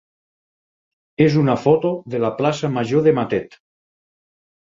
és una foto de la plaça major de Matet.